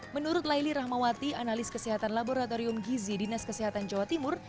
menurut laili rahmawati analis kesehatan laboratorium gizi dinas kesehatan jawa timur